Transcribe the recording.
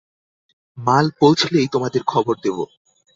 মাল পৌঁছলেই তোমাদের খবর দেব।